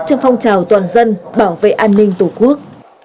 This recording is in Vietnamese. trong phong trào toàn dân bảo vệ an ninh tổ quốc